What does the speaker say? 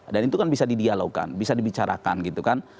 dan itu kan bisa di dialogkan bisa dibicarakan gitu kan